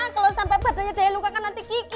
kalo sampe badannya daya luka kan nanti kiki